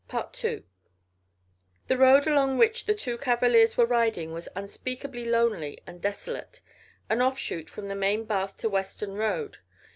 II The road along which the two cavaliers were riding was unspeakably lonely and desolate an offshoot from the main Bath to Weston road.